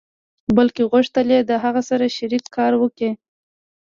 بلکې غوښتل يې له هغه سره شريک کار وکړي.